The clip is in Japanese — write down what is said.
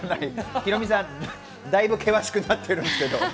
ヒロミさん、だいぶ険しくなってるんですけど。